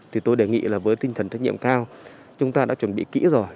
thì tôi đề nghị là với tinh thần trách nhiệm cao chúng ta đã chuẩn bị kỹ rồi